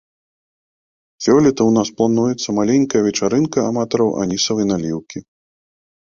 Сёлета ў нас плануецца маленькая вечарынка аматараў анісавай наліўкі.